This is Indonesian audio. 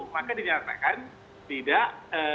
maka dinyatakan tidak